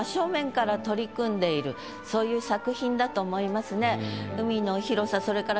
そういう作品だと思いますね。